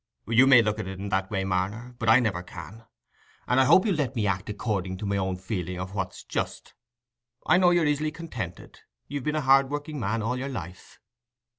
"You may look at it in that way, Marner, but I never can; and I hope you'll let me act according to my own feeling of what's just. I know you're easily contented: you've been a hard working man all your life."